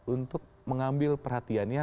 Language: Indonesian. untuk mengambil perhatiannya